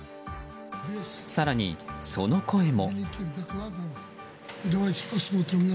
更に、その声も。